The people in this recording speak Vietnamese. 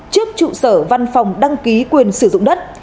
trước trụ sở văn phòng đăng ký quyền sử dụng đất